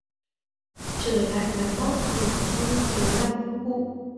Trở lại nắn bóp rồi cảm ơn lấy lòng ông cụ